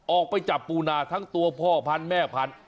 ออกไปจับปูนาทั้งตัวพ่อพันธุ์แม่พันธุ